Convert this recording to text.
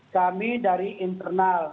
kami dari internal